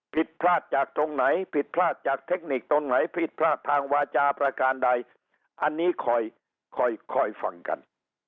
ผิดพลาดจากตรงไหนผิดพลาดจากเทคนิคตรงไหนผิดพลาดทางวาจาประการใดอันนี้คอยฟังกัน